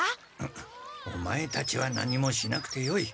オマエたちは何もしなくてよい。